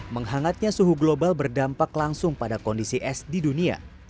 menghangatnya suhu global berdampak langsung pada kondisi es di dunia